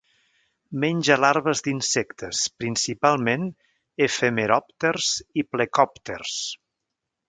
Menja larves d'insectes, principalment efemeròpters i plecòpters.